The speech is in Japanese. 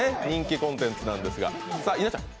人気コンテンツなんですが。